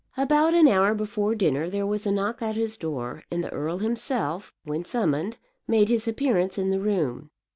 About an hour before dinner there was a knock at his door, and the earl himself, when summoned, made his appearance in the room.